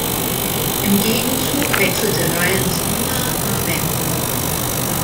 Im Gegenzug wechselte Ryan Spooner nach Vancouver.